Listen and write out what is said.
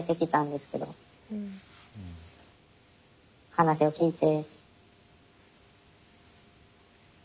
話を聞いて。